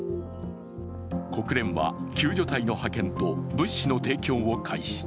国連は救助隊の派遣と物資の提供を開始。